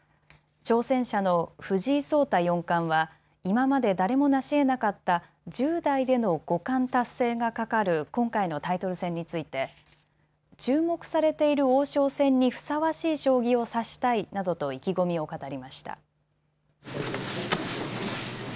挑戦者の藤井聡太四冠は今まで誰も成しえなかった１０代での五冠達成がかかる今回のタイトル戦について注目されている王将戦にふさわしい将棋を指したいなどと意気込みを語りました。